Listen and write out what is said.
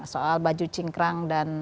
soal baju cingkran dan